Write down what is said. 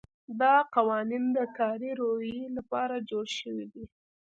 دا قوانین د کاري رویې لپاره جوړ شوي دي.